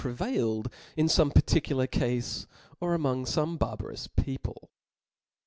prevailed in fome particular cafe or among fome^JJ^jj *'^^ barbarous people.